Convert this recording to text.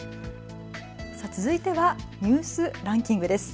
続いてはニュースランキングです。